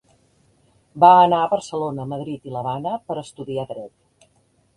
Va anar a Barcelona, Madrid i l'Havana per a estudiar dret.